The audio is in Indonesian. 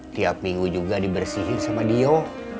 tiap minggu juga dibersihin sama dia